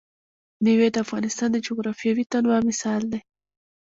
مېوې د افغانستان د جغرافیوي تنوع مثال دی.